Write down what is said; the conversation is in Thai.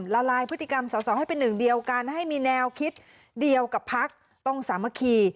ละลายพฤติกรรมสอสอให้เป็นหนึ่งเดียวกันให้มีแนวคิดเดียวกับพักต้องสามัคคี